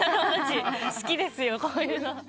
好きですよこういうの。